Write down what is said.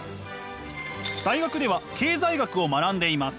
大学では経済学を学んでいます。